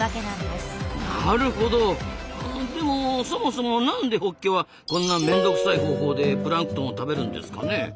なるほど！でもそもそもなんでホッケはこんな面倒くさい方法でプランクトンを食べるんですかね？